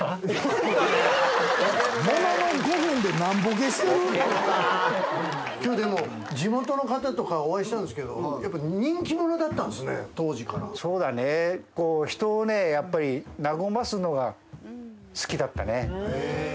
きょうでも、地元の方とかお会いしたんですけど、やっぱり人気者だったんですそうだね、人をね、やっぱり和ますのが好きだったね。